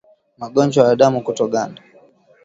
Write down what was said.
Magonjwa ya damu kutoganda